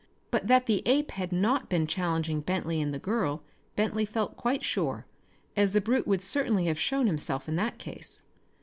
But that the ape had not been challenging Bentley and the girl Bentley felt quite sure, as the brute would certainly have shown himself in that case.